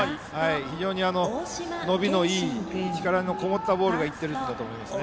非常に伸びのいい、力のこもったボールが行っていると思います。